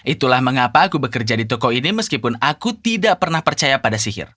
itulah mengapa aku bekerja di toko ini meskipun aku tidak pernah percaya pada sihir